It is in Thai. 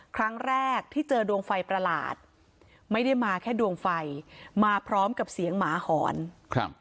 ครั้งแรกที่เจอดวงไฟประหลาดไม่ได้มาแค่ดวงไฟมาพร้อมกับเสียงหมาหอนครับ